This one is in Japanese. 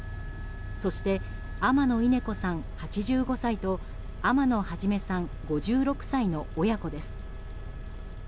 そして天野稲子さん、８５歳と天野初さん、５６歳の親子です。